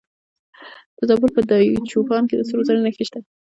د زابل په دایچوپان کې د سرو زرو نښې شته.